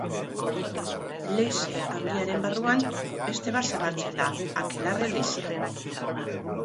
Leize Handiaren barruan, beste bat zabaltzen da: Akelarre leizea.